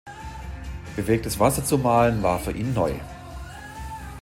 Bewegtes Wasser zu malen, war für ihn neu.